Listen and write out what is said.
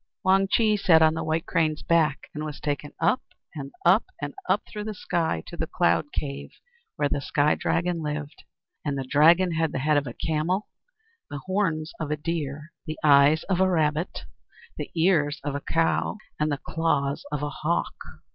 Wang Chih visits the Fire Dragon Wang Chih sat on the White Crane's back, and was taken up, and up, and up through the sky to the cloud cave where the Sky Dragon lived. And the Dragon had the head of a camel, the horns of a deer, the eyes of a rabbit, the ears of a cow, and the claws of a hawk.